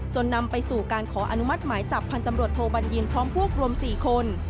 นำไปสู่การขออนุมัติหมายจับพันธ์ตำรวจโทบัญญินพร้อมพวกรวม๔คน